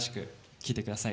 聴いてください。